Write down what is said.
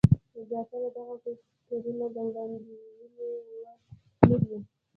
زیاتره دغه فکټورونه د وړاندوینې وړ نه دي.